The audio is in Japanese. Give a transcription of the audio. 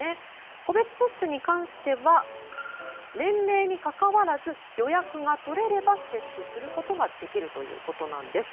個別接種に関しては年齢に関わらず予約が取れれば接種することができるということなんです。